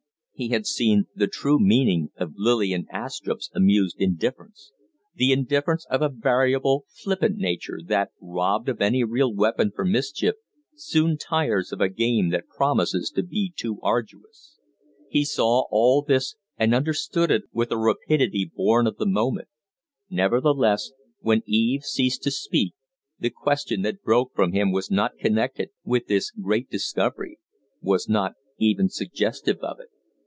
He had seen the true meaning of Lillian Astrupp's amused indifference the indifference of a variable, flippant nature that, robbed of any real weapon for mischief, soon tires of a game that promises to be too arduous. He saw all this and understood it with a rapidity born of the moment; nevertheless, when Eve ceased to speak the question that broke from him was not connected with this great discovery was not even suggestive of it.